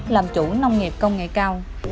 làm chủ nông nghiệp công nghệ cao